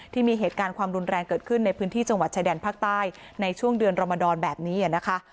ที่มีเหตุการณ์ความรุนแรงเกิดขึ้นในพื้นที่จังหวัดชายแดนภาคใต้ในช่วงเดือนรมดรแบบนี้นะคะ